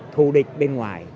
thù địch bên ngoài